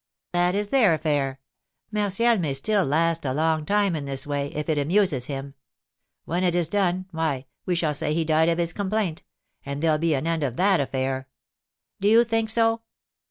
"That is their affair. Martial may still last a long time in this way, if it amuses him. When it is done, why, we shall say he died of his complaint, and there'll be an end of that affair." "Do you think so?"